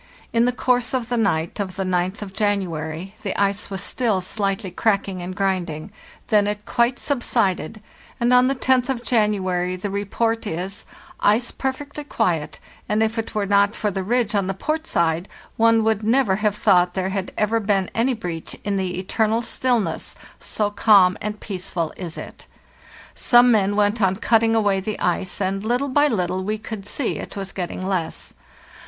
Inthe course of the night of the oth of January the ice was still slightly cracking and grinding; then it quite subsided, and on the roth of January the report is "ice perfectly quiet, and if it were not for the ridge on the port side one would never have thought there had ever been any breach in the eternal stillness, so calm and peaceful is it." Some men went on cutting away the ice, and little by little we could see it was getting less.